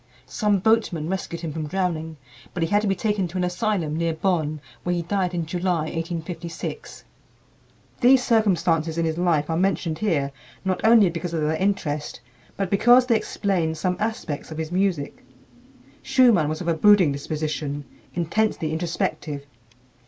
Some boatmen rescued him from drowning, but he had to be taken to an asylum near Bonn, where he died in July, 1856. These circumstances in his life are mentioned here not only because of their interest, but because they explain some aspects of his music. Schumann was of a brooding disposition, intensely introspective.